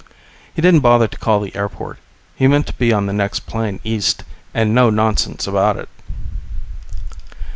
He didn't bother to call the airport. He meant to be on the next plane east, and no nonsense about it....